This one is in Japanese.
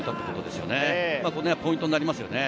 ここがポイントになりますね。